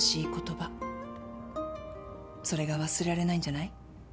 それが忘れられないんじゃない？